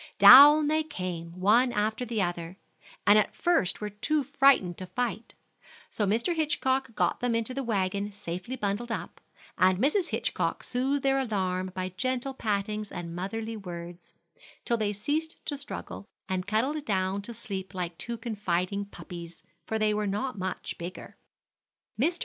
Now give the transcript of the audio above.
Down they came, one after the other, and at first were too frightened to fight; so Mr. Hitchcock got them into the wagon safely bundled up, and Mrs. Hitchcock soothed their alarm by gentle pattings and motherly words, till they ceased to struggle, and cuddled down to sleep like two confiding puppies, for they were not much bigger. Mr.